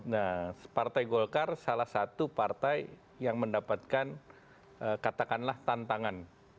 nah partai golkar salah satu partai yang mendapatkan katakanlah tantangan